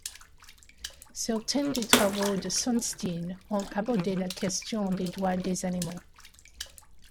Certains des travaux de Sunstein ont abordé la question des droits des animaux.